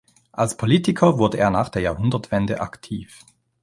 Als Politiker wurde er nach der Jahrhundertwende aktiv.